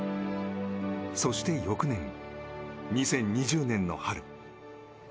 そして翌年、２０２０年の春。